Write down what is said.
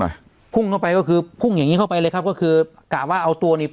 พุ่งเข้าไปก็คือพุ่งอย่างงี้เข้าไปเลยครับก็คือกะว่าเอาตัวนี่